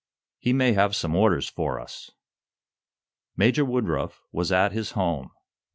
"He may have some orders for us." Major Woodruff was at his home.